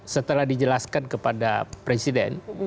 setelah dijelaskan kepada presiden